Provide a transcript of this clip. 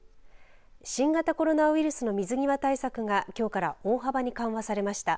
新型コロナウイルスの水際対策がきょうから大幅に緩和されました。